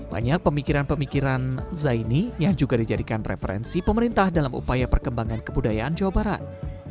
banyak pemikiran pemikiran zaini yang juga dijadikan referensi pemerintah dalam upaya perkembangan kebudayaan jawa barat